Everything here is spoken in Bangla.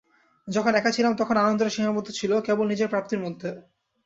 যখন একা ছিলাম, তখন আনন্দটা সীমাবদ্ধ ছিল কেবল নিজের প্রাপ্তির মধ্যে।